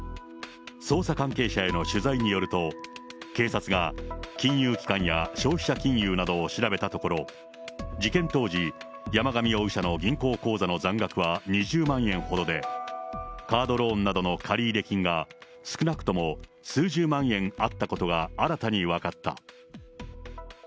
捜査関係者への取材によると、警察が金融機関や消費者金融などを調べたところ、事件当時、山上容疑者の銀行口座の残額は２０万円ほどで、カードローンなどの借入金が、少なくとも数十万円あったことが新たに分かった。